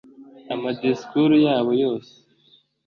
amadiskuru yabo yose